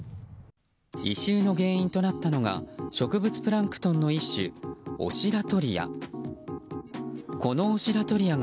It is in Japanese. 異臭の原因となったのが植物プランクトンの一種オシラトリア。